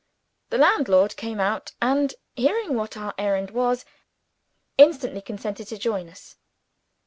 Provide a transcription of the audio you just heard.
The landlord came out; and, hearing what our errand was, instantly consented to join us.